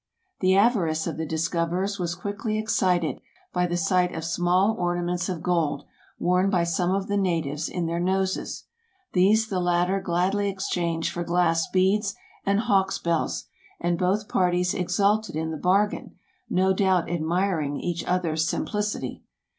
The avarice of the discoverers was quickly excited by the sight of small ornaments of gold, worn by some of the natives in their noses. These the latter gladly exchanged for glass beads and hawks' bells; and both parties exulted in the bargain, no doubt admiring each others' simplicity.